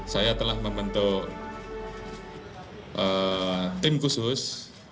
saya telah membentuk tim khusus